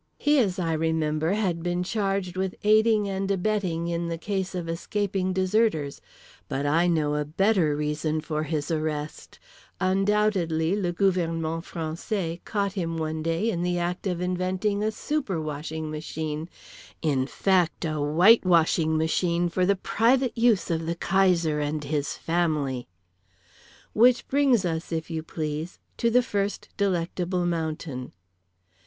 He, as I remember, had been charged with aiding and abetting in the case of escaping deserters—but I know a better reason for his arrest: undoubtedly le gouvernement français caught him one day in the act of inventing a super washing machine, in fact, a Whitewashing machine, for the private use of the Kaiser and His Family…. Which brings us, if you please, to the first Delectable Mountain.